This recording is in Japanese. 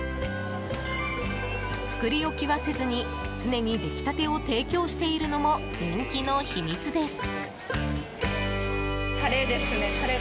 作り置きはせずに常にできたてを提供しているのも人気の秘密です。